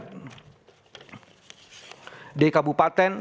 dprd kabupaten dprd kabupaten dan dprd kabupaten